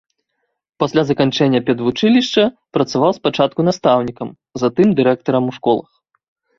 Пасля заканчэння педвучылішча працаваў спачатку настаўнікам, затым дырэктарам у школах.